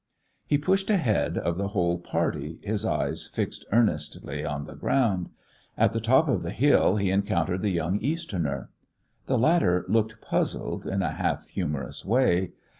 He pushed ahead of the whole party, his eyes fixed earnestly on the ground. At the top of the hill he encountered the young Easterner. The latter looked puzzled, in a half humourous way.